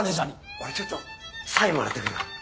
俺ちょっとサインもらってくるわ。